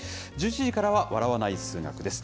１１時からは笑わない数学です。